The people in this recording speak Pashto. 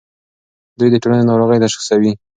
دوی د ټولنې ناروغۍ تشخیصوي.